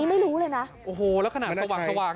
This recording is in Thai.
มองเห็นมั้ยไหนคน